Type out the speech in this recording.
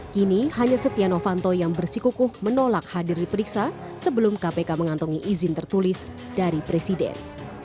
kini hanya setia novanto yang bersikukuh menolak hadir diperiksa sebelum kpk mengantongi izin tertulis dari presiden